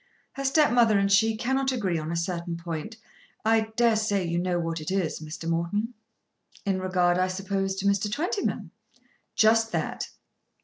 Her stepmother and she cannot agree on a certain point. I dare say you know what it is, Mr. Morton?" "In regard, I suppose, to Mr. Twentyman?" "Just that.